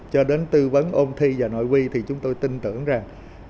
cho đến tư vấn ôn thi và nội quy thì chúng tôi tin tưởng rằng